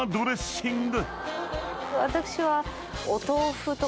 私は。